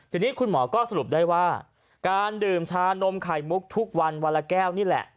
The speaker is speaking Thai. ทีนี้คุณหมอก็สรุปได้ว่าการดื่มชานมไข่มุกทุกวันวันละแก้วนี่แหละ